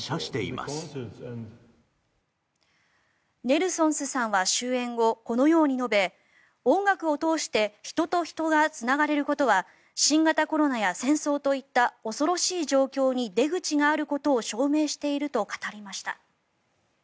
ネルソンスさんは終演後このように述べ音楽を通して人と人がつながれることは新型コロナや戦争といった恐ろしい状況に出口があることを証明していると語りました。